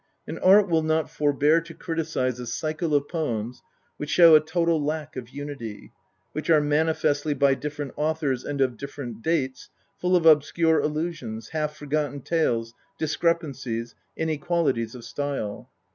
And art will not forbear to criticise a cycle of poems which show a total lack of unity, which are manifestly by different authors and of different dates, full of obscure allusions, half forgotten tales, discrepancies, inequalities of style.